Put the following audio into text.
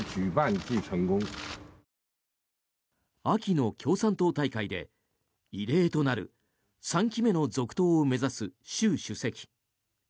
秋の共産党大会で異例となる３期目の続投を目指す習主席。